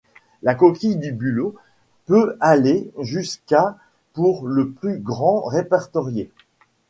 La coquille du bulot peut aller jusqu'à pour le plus grand répertorié.